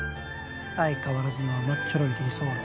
相変わらずの甘っちょろい理想論